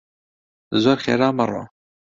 زۆر خێرا مەڕۆ!